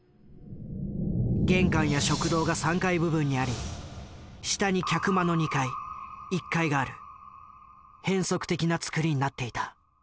玄関や食堂が３階部分にあり下に客間の２階１階がある変則的な造りになっていた。